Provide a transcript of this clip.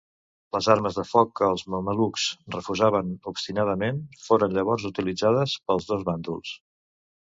Les armes de foc que els mamelucs refusaven obstinadament, foren llavors utilitzades pels dos bàndols.